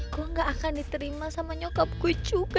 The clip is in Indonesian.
gue gak akan diterima sama nyokap gue juga